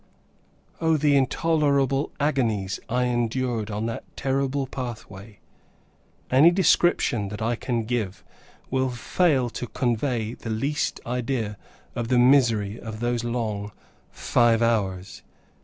O, the intolerable agonies I endured on that terrible pathway! Any description that I can give, will fail to convey the least idea of the misery of those long five hours.